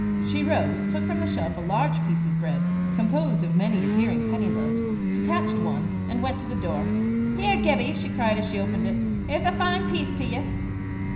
She rose, took from the shelf a large piece of bread, composed of many adhering penny loaves, detached one, and went to the door. "Here, Gibbie!" she cried as she opened it; "here's a fine piece to ye."